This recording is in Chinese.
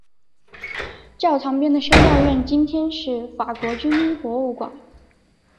教堂边的修道院今天是法国军医博物馆。